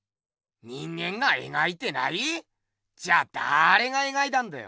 人間がえがいてない⁉じゃだれがえがいたんだよ。